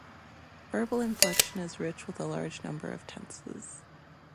Verbal inflection is rich with a large number of tenses.